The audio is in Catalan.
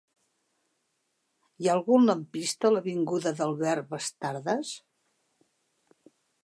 Hi ha algun lampista a l'avinguda d'Albert Bastardas?